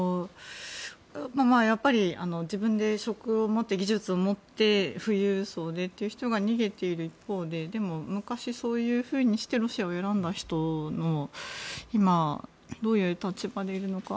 やっぱり、自分で職を持って技術を持って富裕層でという人が逃げている一方ででも、昔そういうふうにしてロシアを選んだ人は今どういう立場でいるのか。